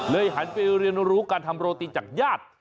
หันไปเรียนรู้การทำโรตีจากญาติ